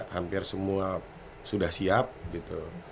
hampir semua sudah siap gitu